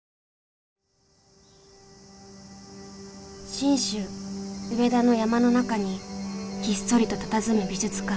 信州上田の山の中にひっそりとたたずむ美術館。